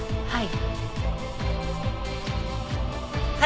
はい。